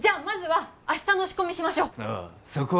まずは明日の仕込みしましょうおお